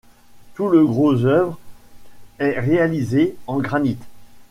Tout le gros œuvre est réalisé en granit.